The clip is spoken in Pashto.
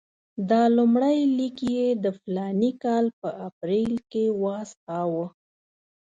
دا لومړی لیک یې د فلاني کال په اپرېل کې واستاوه.